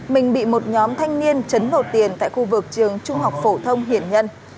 mình bị một nhóm thanh niên chấn lột tiền tại khu vực trường trung học phổ thông hiển nhân